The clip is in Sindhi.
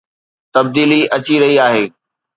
تبديلي اچي رهي آهي